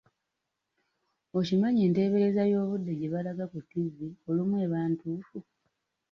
Okimanyi enteebereza y'obudde gye balaga ku ttivi olumu eba ntuufu?